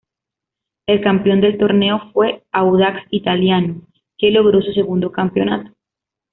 El campeón del torneo fue Audax Italiano, que logró su segundo campeonato.